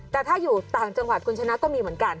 แต่ถ้าอยู่ต่างจังหวัดคุณชนะก็มีเหมือนกัน